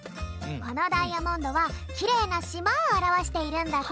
このダイヤモンドはきれいなしまをあらわしているんだって。